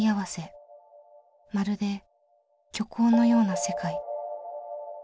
まるで虚構のような世界。